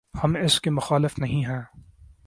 ہم اس کے مخالف نہیں ہیں۔